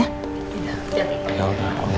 yaudah kalau gitu